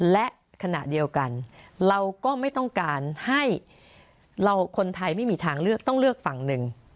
และขณะเดียวกันเราก็ไม่ต้องการให้เราคนไทยไม่มีทางเลือกต้องเลือกฝั่งหนึ่ง